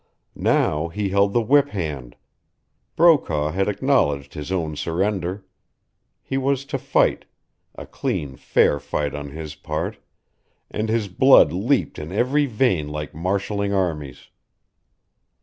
Now he held the whip hand; Brokaw had acknowledged his own surrender. He was to fight a clean, fair fight on his part, and his blood leaped in every vein like marshaling armies.